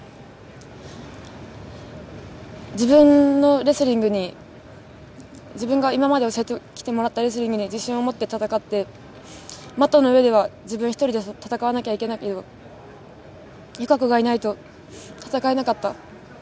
自分のレスリングに、自分が今まで教えてきてもらったレスリングに自信を持って戦って、マットの上では自分一人で戦わなきゃいけないので友香子がいないと戦えなかった。